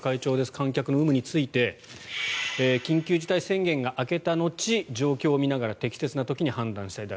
観客の有無について緊急事態宣言が明けた後状況を見ながら適切な時に判断したいと。